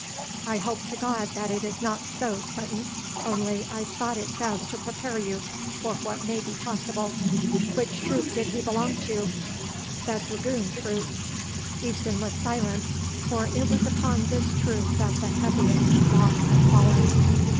"I hope to God that it is not so, Clinton, only I thought it best to prepare you for what may be possible. Which troop did he belong to?" "The Dragoon troop." Easton was silent, for it was upon this troop that the heaviest loss had fallen.